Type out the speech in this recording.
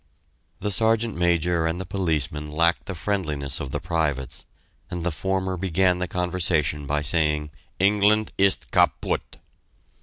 The Sergeant Major and the policeman lacked the friendliness of the privates, and the former began the conversation by saying, "England ist kaputt."